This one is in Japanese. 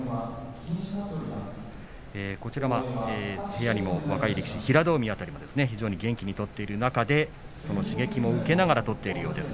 部屋にも若い力士平戸海なんかも元気に取っている中で刺激を受けながら取っているようです。